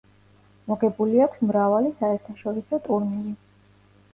მოგებული აქვს მრავალი საერთაშორისო ტურნირი.